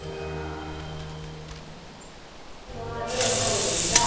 どれも食べてみたい。